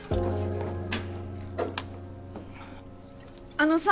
あのさ。